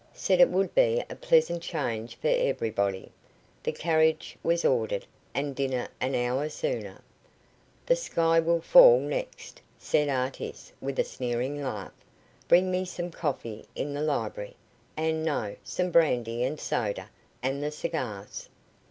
Said it would be a pleasant change for everybody. The carriage was ordered, and dinner an hour sooner." "The sky will fall next," said Artis, with a sneering laugh. "Bring me some coffee in the library, and no, some brandy and soda and the cigars."